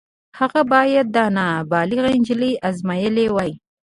هغه بايد دا نابغه نجلۍ ازمايلې وای.